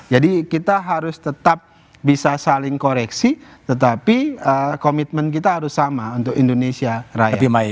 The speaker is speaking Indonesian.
jadi kita harus tetap bisa saling koreksi tetapi komitmen kita harus sama untuk indonesia raya